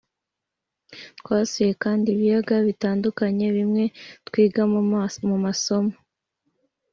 twasuye kandi ibiyaga bitandukanye bimwe twiga mu masomo